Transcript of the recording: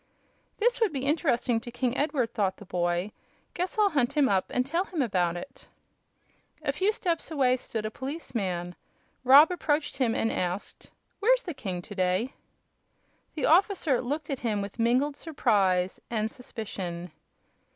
"This would be interesting to King Edward," thought the boy. "Guess I'll hunt him up and tell him about it." A few steps away stood a policeman. Rob approached him and asked: "Where's the king to day?" The officer looked at him with mingled surprise and suspicion.